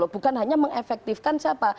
bukan hanya mengefektifkan siapa